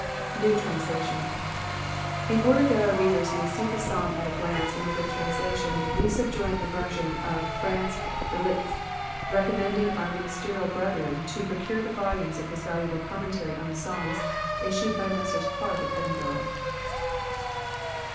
NEW TRANSLATION. In order that our readers may see the Psalm at a glance in a good translation^ u>e subjoin the version of Franz Dblitzsch ; recommending our ministerial brethren to procure the volumes of his valuable Commentary on the Psalms, issued by the Messrs. Clark, of Edinburgh.